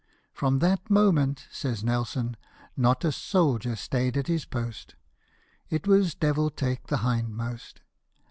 " From that moment," says Nelson, " not a soldier stayed at his post — it was the devil take the hindmost.